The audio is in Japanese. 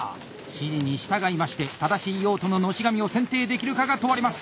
指示に従いまして正しい用途の熨斗紙を選定できるかが問われます！